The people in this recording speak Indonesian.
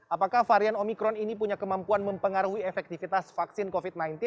apakah varian omikron ini punya kemampuan mempengaruhi efektivitas vaksin covid sembilan belas